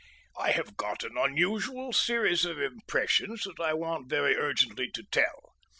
I have got an unusual series of impressions that I want very urgently to tell.